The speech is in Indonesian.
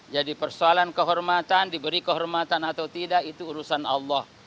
jadi persoalan kehormatan diberi kehormatan atau tidak itu urusan allah